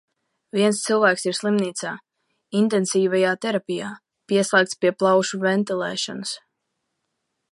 Viens cilvēks ir slimnīcā, intensīvajā terapijā, pieslēgts pie plaušu ventilēšanas.